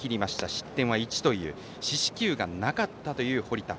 失点は１という四死球がなかったという堀田。